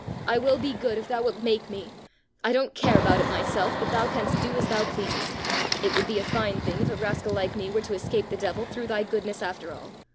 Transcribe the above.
I will be good if thou wilt make me. I don't care about it myself, but thou canst do as thou pleasest. It would be a fine thing if a rascal like me were to escape the devil through thy goodness after all.